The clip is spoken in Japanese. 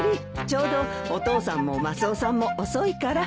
ちょうどお父さんもマスオさんも遅いから。